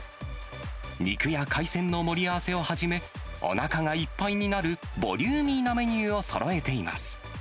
肉や海鮮の盛り合わせをはじめ、おなかがいっぱいになるボリューミーなメニューをそろえています。